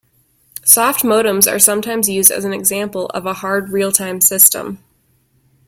Softmodems are sometimes used as an example of a hard real-time system.